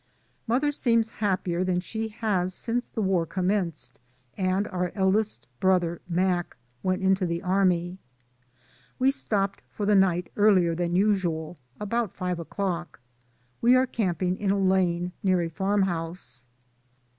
Mother seems happier than she has since the war commenced, and our eldest brother, Mac, went into the army. We stopped for the night earlier than usual, about five o'clock. We are camping in a lane near a farmhouse.